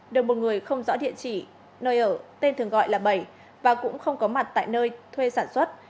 đồng một người không rõ địa chỉ nơi ở tên thường gọi là bảy và cũng không có mặt tại nơi thuê sản xuất